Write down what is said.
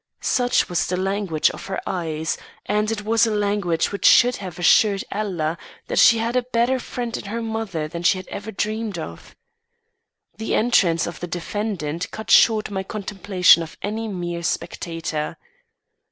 Such was the language of her eyes; and it was a language which should have assured Ella that she had a better friend in her mother than she had ever dreamed of. The entrance of the defendant cut short my contemplation of any mere spectator.